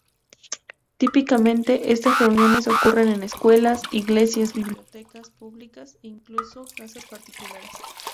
Típicamente, estas reuniones ocurren en escuelas, iglesias, bibliotecas públicas e incluso casas particulares.